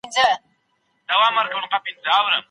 ایا د طلاق د علتونو څرګندول اړين نه دي؟